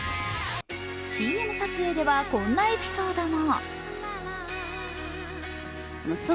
ＣＭ撮影ではこんなエピソードも。